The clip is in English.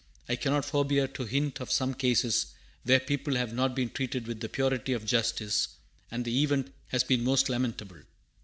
I cannot forbear to hint of some cases where people have not been treated with the purity of justice, and the event has been most lamentable.